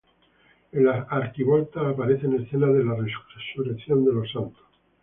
En las arquivoltas aparecen escenas de la resurrección de los santos.